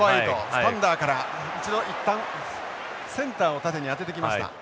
スタンダーから一度一旦センターを縦に当ててきました。